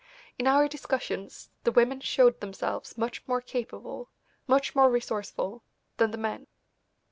In our discussions the women showed themselves much more capable, much more resourceful, than the men.